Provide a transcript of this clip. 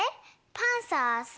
パンサーさん？